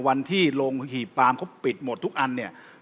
วันที่โรงหีบปามเขาปิดหมดทุกอันเนี่ย